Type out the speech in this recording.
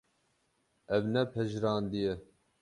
Ev ne pejirandî ye.